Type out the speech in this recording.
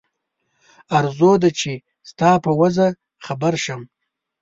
آرزو ده چې ستا په وضع خبر شم.